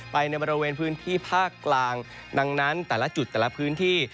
ในบริเวณพื้นที่ภาคกลางดังนั้นแต่ละจุดแต่ละพื้นที่